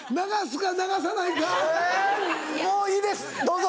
もういいですどうぞ！